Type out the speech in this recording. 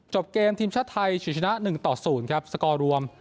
จบเกมทีมชาติไทยชินชนะหนึ่งต่อศูนย์ครับสกอรวม